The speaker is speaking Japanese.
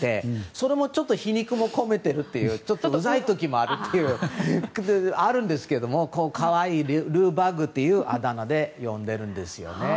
それの皮肉も込めているというちょっとうざい時もあるということで可愛いルー・バグというあだ名で呼んでいるんですよね。